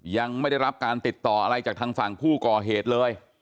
ยังไม่ได้รับการติดต่ออะไรจากทางฝั่งผู้ก่อเหตุเลย